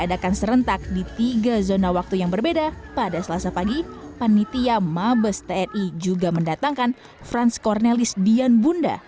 diadakan serentak di tiga zona waktu yang berbeda pada selasa pagi panitia mabes tni juga mendatangkan franz cornelis dian bunda